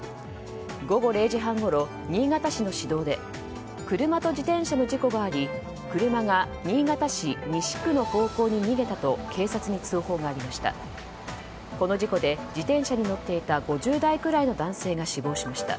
午後０時半ごろ、新潟市の市道で車と自転車の事故があり車が新潟市西区の方向に逃げたと警察に通報がありました。